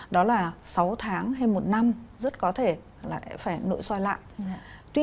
đó là sáu tháng hay một năm rất có thể lại phải nội soi lại